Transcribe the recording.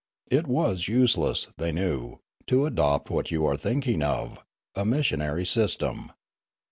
It was useless, they knew, to adopt what you are thinking of, a missionary system.